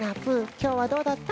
きょうはどうだった？